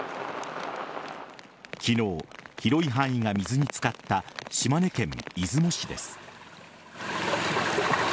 昨日、広い範囲が水につかった島根県出雲市です。